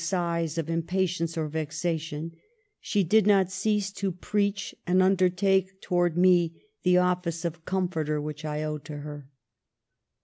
sighs of impatience or vexation) she did not cease to preach and undertake towards me the office of com forter which I owed to her."